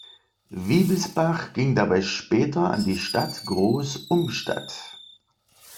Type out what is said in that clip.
Wiebelsbach ging dabei später an die Stadt Groß-Umstadt.